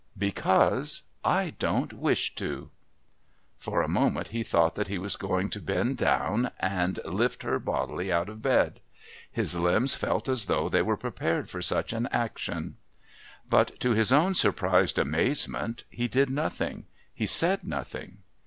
"Because I don't wish to go." For a moment he thought that he was going to bend down and lift her bodily out of bed. His limbs felt as though they were prepared for such an action. But to his own surprised amazement he did nothing, he said nothing.